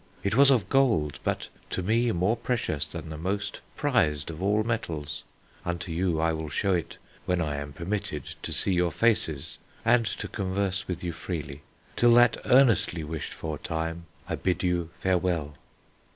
It was of gold, but to me more precious than the most prized of all metals. Unto you I will shew it when I am permitted to see your faces, and to converse with you freely. Till that earnestly wished for time, I bid you farewell."